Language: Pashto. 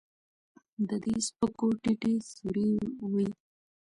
د دې سپکو ټيټې سورې وړي